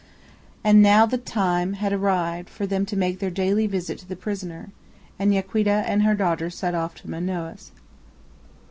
And now the time had arrived for them to make their daily visit to the prisoner, and Yaquita and her daughter set off to Manaos.